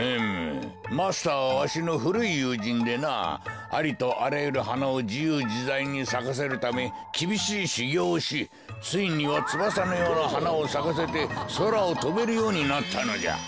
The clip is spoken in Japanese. マスターはわしのふるいゆうじんでなありとあらゆるはなをじゆうじざいにさかせるためきびしいしゅぎょうをしついにはつばさのようなはなをさかせてそらをとべるようになったのじゃ。